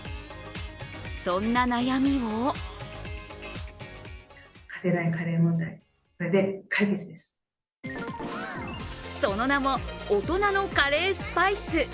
そんな悩みをその名も、大人のカレースパイス。